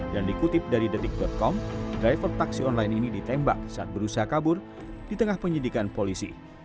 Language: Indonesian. dan dikutip dari detik com driver taksi online ini ditembak saat berusaha kabur di tengah penyelidikan polisi